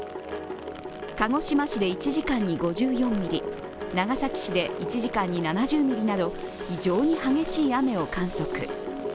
鹿児島市で１時間に５４ミリ、長崎市で１時間に７０ミリなど非常に激しい雨を観測。